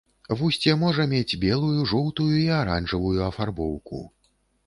Вусце можа мець белую, жоўтую і аранжавую афарбоўку.